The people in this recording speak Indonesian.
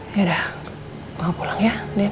yaudah mama pulang ya din